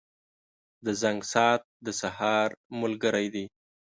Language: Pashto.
• د زنګ ساعت د سهار ملګری دی.